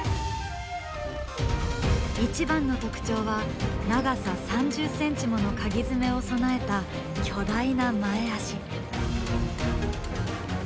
一番の特徴は長さ３０ｃｍものカギ爪を備えた巨大な前足。